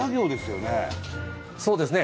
そうですね。